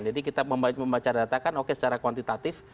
kita membaca data kan oke secara kuantitatif